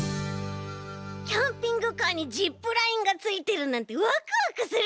キャンピングカーにジップラインがついてるなんてワクワクする！